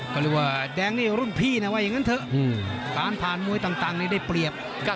ก็เรียกว่าแดงนี่รุ่นพี่นะว่าอย่างนั้นเถอะการผ่านมวยต่างนี่ได้เปรียบ